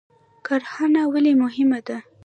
کرهڼه ولې مهمه ده؟